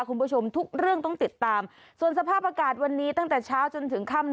คุณผู้ชมทุกเรื่องต้องติดตามส่วนสภาพอากาศวันนี้ตั้งแต่เช้าจนถึงค่ำ